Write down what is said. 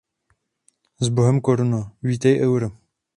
Sbohem koruno, vítej euro.